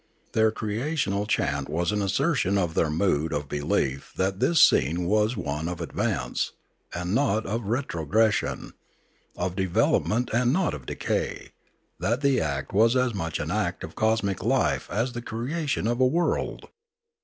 Their creational chant was an assertion of their mood of be lief that this scene was one of advance, and not of retro gression, of development and not of decay, that the act was as much an act of cosmic life as the creation of a world.